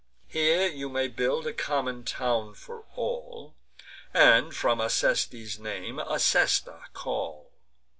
Here you may build a common town for all, And, from Acestes' name, Acesta call."